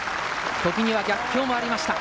時には逆境もありました。